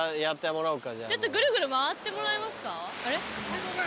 ちょっとぐるぐる回ってもらいますか？